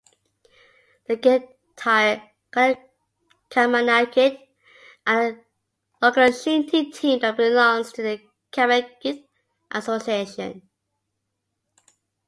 The Kintyre Camanachd are a local shinty team that belongs to the Camanachd Association.